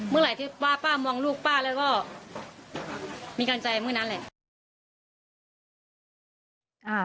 เมื่อไหร่ที่ป้ามองลูกป้าแล้วก็มีการใจเมื่อนั้นแหละ